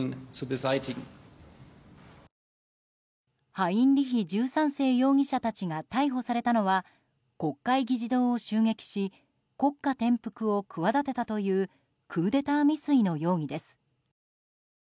ハインリヒ１３世容疑者たちが逮捕されたのは国会議事堂を襲撃し国家転覆を企てたというクーデター未遂の容疑です。